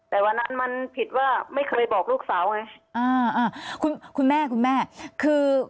แต่วันนั้นมันผิดว่าไม่เคยบอกลูกสาวไงอ่าอ่าคุณคุณแม่คุณแม่คือ